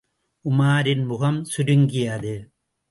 உமாரின் முகம் சுருங்கியது.